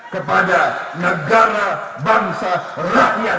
kepada negara bangsa rakyat